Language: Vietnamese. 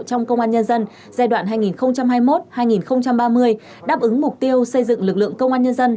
trong công an nhân dân giai đoạn hai nghìn hai mươi một hai nghìn ba mươi đáp ứng mục tiêu xây dựng lực lượng công an nhân dân